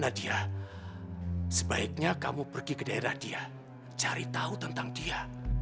nadia sebaiknya kamu pergi ke daerah dia cari tahu tentang dia